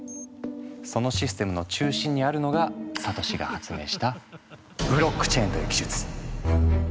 そのシステムの中心にあるのがサトシが発明した「ブロックチェーン」という技術。